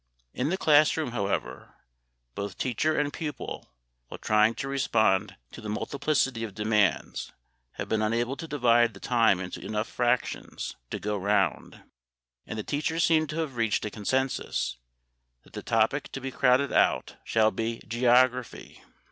In the classroom, however, both teacher and pupil while trying to respond to the multiplicity of demands have been unable to divide the time into enough fractions to go round, and the teachers seem to have reached a consensus that the topic to be crowded out shall be geography.